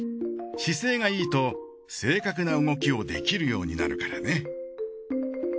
姿勢がいいと正確な動きをできるようになるからね。